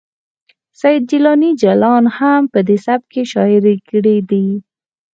سید جیلاني جلان هم په دې سبک کې شاعري کړې ده